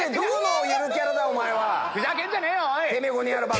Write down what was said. ふざけんじゃねえよおい。